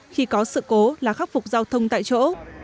khi có sự cố là khắc phục giao thông tại chỗ